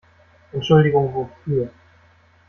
Entschuldigung wofür?